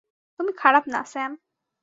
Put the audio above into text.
তুমি খারাপ না, স্যাম।